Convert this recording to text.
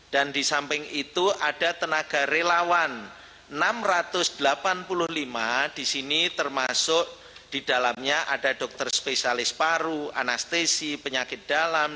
dan di samping itu ada tenaga relawan enam ratus delapan puluh lima di sini termasuk di dalamnya ada dokter spesialis paru anestesi penyakit dalam